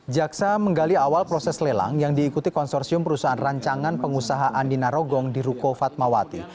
jaksa menggali awal proses lelang yang diikuti konsorsium perusahaan rancangan pengusaha andi narogong di ruko fatmawati